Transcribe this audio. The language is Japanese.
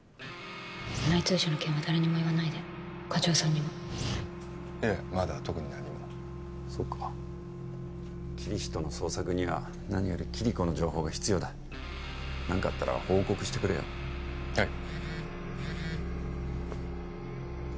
内通者の件は誰にも言わないで課長さんにもいえまだ特に何もそうかキリヒトの捜索には何よりキリコの情報が必要だ何かあったら報告してくれよはい